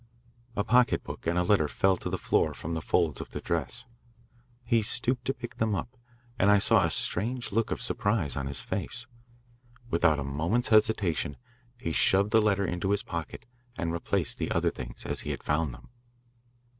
A pocketbook and a letter fell to the floor from the folds of the dress. He stooped to pick them up, and I saw a strange look of surprise on his face. Without a moment's hesitation he shoved the letter into his pocket and replaced the other things as he had found them.